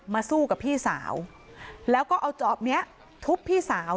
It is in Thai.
สู้กับพี่สาวแล้วก็เอาจอบนี้ทุบพี่สาว